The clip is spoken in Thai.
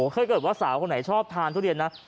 ถ้าเกิดว่าสาวคนไหนชอบทานทุเรียนนะ